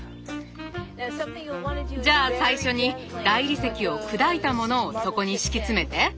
じゃあ最初に大理石を砕いたものを底に敷き詰めて。